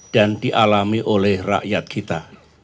dan dialami oleh rakyat kita